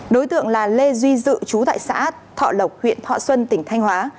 đối tượng là lê duy dự chú tại xã thọ lộc huyện thọ xuân tỉnh thanh hóa